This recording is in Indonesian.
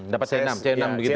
dapat c enam c enam begitu